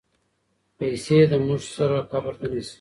پیسې له موږ سره قبر ته نه ځي.